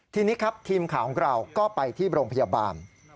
ทีนี้ครับทีมข่าวของเราก็ไปที่โรงพยาบาล